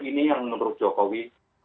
ini yang menurut jokowi